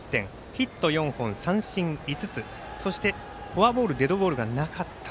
ヒット４本、三振５つそしてフォアボールデッドボールがなかった。